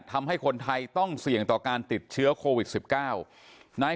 ทำให้คนไทยต้องเสี่ยงต่อการติดเชื้อโควิด๑๙นาย